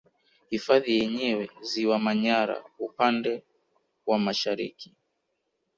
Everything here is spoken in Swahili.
Hifadhi yenyewe Ziwa Manyara upande wa Mashariki